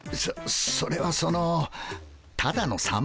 そそれはそのただの散歩です。